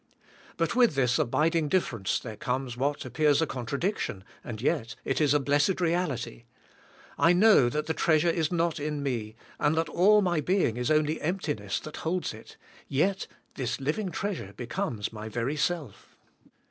But with this abiding difference there comes what appears a contradiction, and yet is a blessed reality. I know that the treasure is not in me and that all my being is only emptiness that holds it; yet this living treasure becomes my very self.